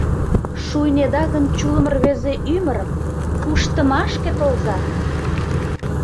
Шуйнеда гын чулым рвезе ӱмырым, Куштымашке толза!